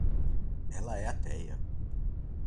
Ela é ateia